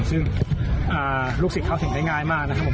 ซึ่งลูกศิษย์เข้าถึงได้ง่ายมากนะครับผม